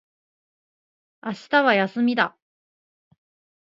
明日は休みだ